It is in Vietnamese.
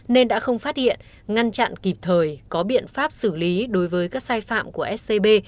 nên đã không phát hiện ngăn chặn kịp thời có biện pháp xử lý đối với các sai phạm của scb